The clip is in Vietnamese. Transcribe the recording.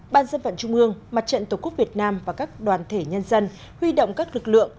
ba ban dân vận trung ương mặt trận tổ quốc việt nam và các đoàn thể nhân dân huy động các lực lượng